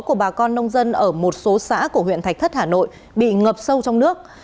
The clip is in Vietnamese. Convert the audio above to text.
của bà con nông dân ở một số xã của huyện thạch thất hà nội bị ngập sâu trong nước